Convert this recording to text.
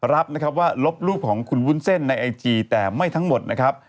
รับนะครับว่าลบรูปของคุณวุ้นเส้นในไอจีแต่ไม่ทั้งหมดนะครับ